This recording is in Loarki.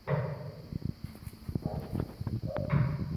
ٿارو مون ڪيوُ ڪوم ھي